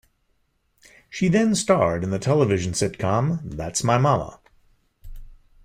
She then starred in the television sitcom "That's My Mama".